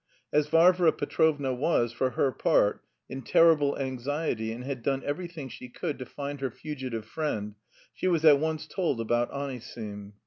As Varvara Petrovna was, for her part, in terrible anxiety and had done everything she could to find her fugitive friend, she was at once told about Anisim.